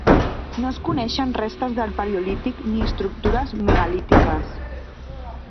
No es coneixen restes del paleolític ni estructures megalítiques.